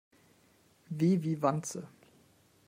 W wie Wanze.